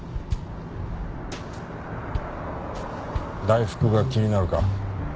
「大福」が気になるか？